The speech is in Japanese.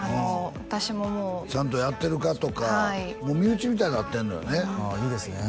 私ももうちゃんとやってるかとかもう身内みたいになってんのよねああいいですね